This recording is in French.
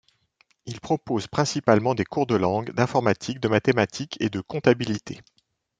Ils proposent principalement des cours de langue, d'informatique, de mathématiques et de comptabilité.